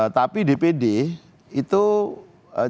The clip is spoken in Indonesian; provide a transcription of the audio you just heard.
tapi dpd itu tidak